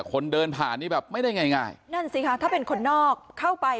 คนเดินผ่านนี่แบบไม่ได้ง่ายง่ายนั่นสิคะถ้าเป็นคนนอกเข้าไป